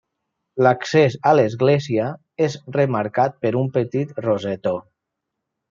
L'accés a l'església és remarcat per un petit rosetó.